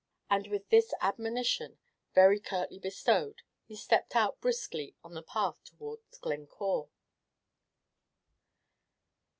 And with this admonition, very curtly bestowed, he stepped out briskly on the path towards Glencore.